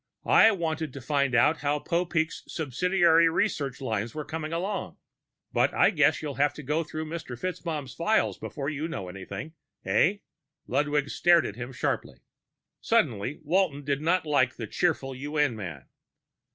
I wanted to find out how Popeek's subsidiary research lines were coming along. But I guess you'll have to go through Mr. FitzMaugham's files before you know anything, eh?" Ludwig stared at him sharply. Suddenly, Walton did not like the cheerful UN man.